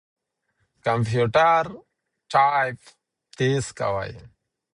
کمپيوټر ټايپ تېز کوي.